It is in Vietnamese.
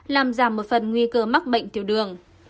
làm giảm một phần nguy cơ mắc bệnh tiểu đường